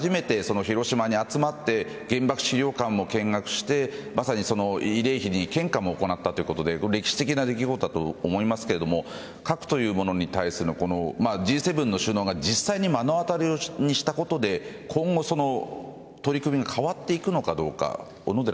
初めて広島に集まって原爆資料館を見学して、慰霊碑に献花も行ったということで歴史的な出来事だと思いますが核に対するＧ７の首脳が実際に目の当りにしたことで今後取り組みが変わっていくのか。